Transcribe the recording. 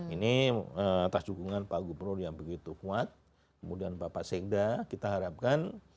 ini atas dukungan pak gubernur yang begitu kuat kemudian bapak sekda kita harapkan